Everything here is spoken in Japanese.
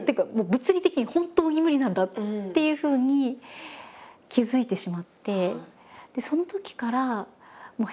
物理的に本当に無理なんだっていうふうに気付いてしまって。